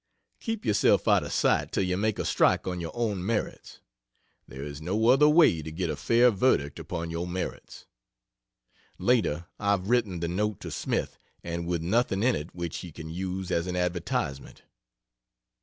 Keep yourself out of sight till you make a strike on your own merits there is no other way to get a fair verdict upon your merits. Later I've written the note to Smith, and with nothing in it which he can use as an advertisement.